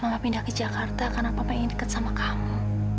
gak pindah ke jakarta karena papa pengen deket sama kamu